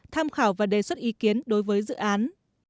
tham khảo và đề xuất ý kiến đối với dự án